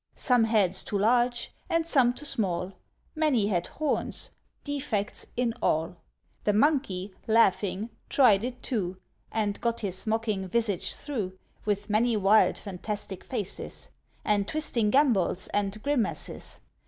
Some heads too large, and some too small; Many had horns, defects in all. The Monkey, laughing, tried it, too, And got his mocking visage through, With many wild, fantastic faces; And twisting gambols and grimaces.